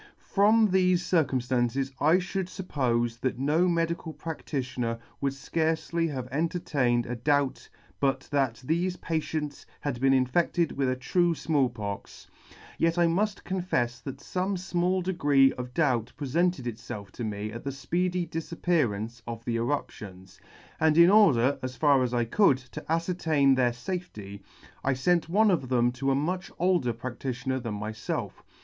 — From thefe circumflances. I fliould fuppofe that no medical practitioner would fcarcely have entertained a doubt but that thefe patients had been infedted with a true Small M Pox *[ 82 ] Pox j yet I mull confefs that fome fmall degree of doubt pre sented itfelf to me at the fpeedy difappearance of the eruptions ; and in order, as far as I could, to afcertain their fafety, I fent one of them to a much older practitioner than myfelf.